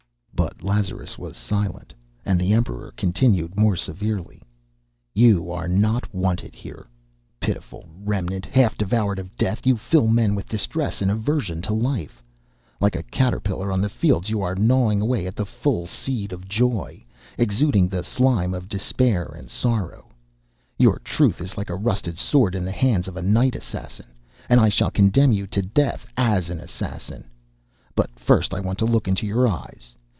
But Lazarus was silent, and the Emperor continued more severely: "You are not wanted here. Pitiful remnant, half devoured of death, you fill men with distress and aversion to life. Like a caterpillar on the fields, you are gnawing away at the full seed of joy, exuding the slime of despair and sorrow. Your truth is like a rusted sword in the hands of a night assassin, and I shall condemn you to death as an assassin. But first I want to look into your eyes.